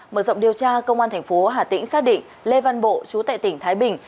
mở rộng điều tra công an tp hà tĩnh xác định lê văn bộ chú tại tỉnh thái bình